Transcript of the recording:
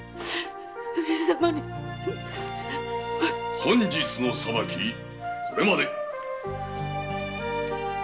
本日の裁きこれまで。